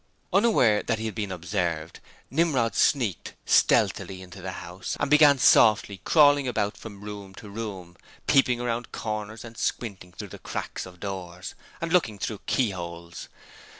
'Unaware that he had been observed, Nimrod sneaked stealthily into the house and began softly crawling about from room to room, peeping around corners and squinting through the cracks of doors, and looking through keyholes.